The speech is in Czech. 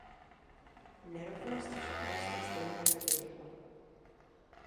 Nerovnost však roste stejně tak rychle.